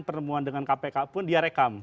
pertemuan dengan kpk pun dia rekam